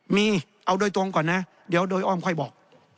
มีเอาโดยตรงก่อนนะเดี๋ยวโดยอ้อมค่อยบอก